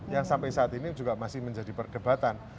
yang sampai saat ini juga masih menjadi perdebatan